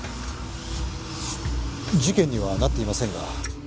事件にはなっていませんが。